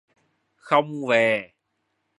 Không Về